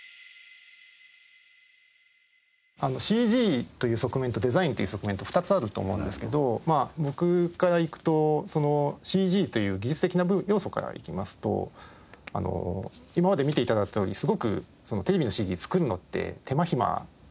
ＣＧという側面とデザインという側面と２つあると思うんですけど僕からいくとそのＣＧという技術的な要素からいきますと今まで見て頂いたとおりすごくテレビのＣＧ作るのって手間ひまかかってるんですよね。